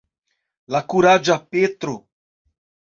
La kuraĝa Petro.